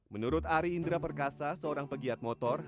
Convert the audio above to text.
menurut ari indra perkasa seorang pegiat motor